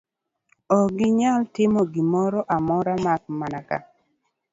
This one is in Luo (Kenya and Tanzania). Ok ginyal timo gimoro amora mak mana ka